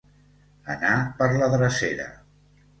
Anar per la drecera.